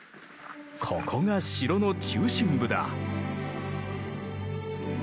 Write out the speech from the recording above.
ここが城の中心部だ。